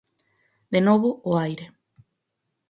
De novo, o aire.